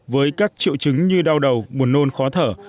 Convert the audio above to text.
với các triệu chứng như đau đầu buồn nôn khó thở